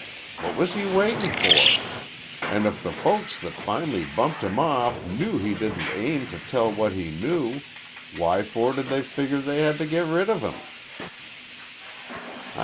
What was he waitin' for? An' if the folks that finally bumped him off knew he didn't aim to tell what he knew, whyfor did they figure they had to get rid of him?"